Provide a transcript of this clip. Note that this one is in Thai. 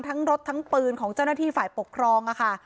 ทั้งรถทั้งปืนของเจ้าหน้าที่ฝ่ายปกครองค่ะ